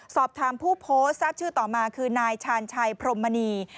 สอบถามผู้โพสต์ทราบชื่อต่อมาคือนายชาญชัยพรมมณี